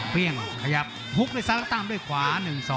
เปรี้ยงขยับฮุกด้วยซ้าและตามด้วยขวา๑๒